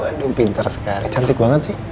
waduh pinter sekali quantitative banget sih